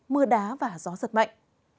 mưa đá và gió giật mạnh